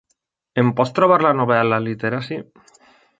Em pots trobar la novel·la, Literacy?